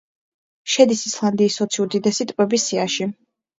შედის ისლანდიის ოცი უდიდესი ტბების სიაში.